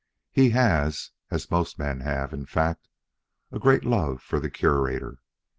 He has, as most men have, in fact, a great love for the Curator.